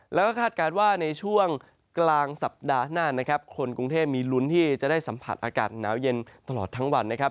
แล้วก็คาดการณ์ว่าในช่วงกลางสัปดาห์หน้านะครับคนกรุงเทพมีลุ้นที่จะได้สัมผัสอากาศหนาวเย็นตลอดทั้งวันนะครับ